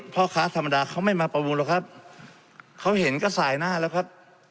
พ่อค้าธรรมดาเขาไม่มาประมูลหรอกครับเขาเห็นก็สายหน้าแล้วครับ